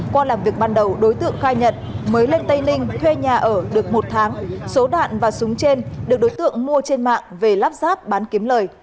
qua làm việc ban đầu đối tượng khai nhận mới lên tây linh thuê nhà ở được một tháng số đạn và súng trên được đối tượng mua trên mạng về lắp ráp bán kiếm lời